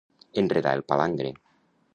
Enredar el palangre.